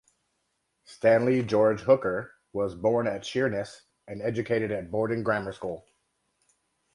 Stanley George Hooker was born at Sheerness and educated at Borden Grammar School.